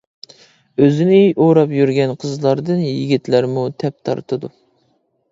ئۆزىنى ئوراپ يۈرگەن قىزلاردىن يىگىتلەرمۇ تەپ تارتىدۇ.